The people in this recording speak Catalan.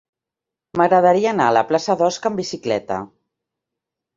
M'agradaria anar a la plaça d'Osca amb bicicleta.